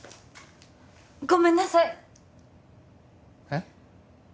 ごめんなさいえっ？